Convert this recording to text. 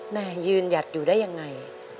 แม่ยืนหยัดอยู่ได้ยังไง